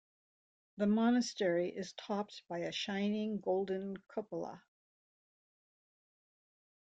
The monastery is topped by a shining golden cupola.